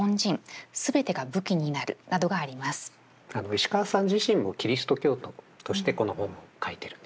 石川さん自身もキリスト教徒としてこの本を書いてるんですよね。